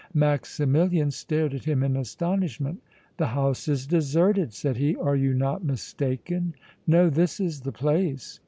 Maximilian stared at him in astonishment. "The house is deserted," said he. "Are you not mistaken?" "No. This is the place."